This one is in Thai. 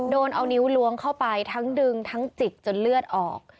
โดนเอานิ้วล้วงเข้าไปทั้งดึงทั้งจิกจนเลือดออก